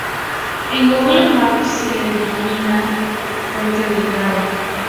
En Google Maps se le denomina Puente del Grao.